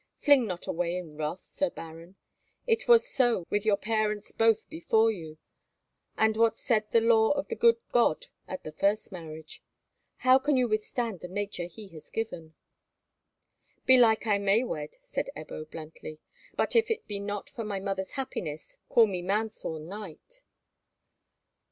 Fling not away in wrath, Sir Baron; it was so with your parents both before you; and what said the law of the good God at the first marriage? How can you withstand the nature He has given?" "Belike I may wed," said Ebbo, bluntly; "but if it be not for my mother's happiness, call me man sworn knight."